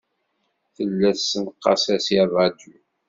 Tella tessenqas-as i ṛṛadyu.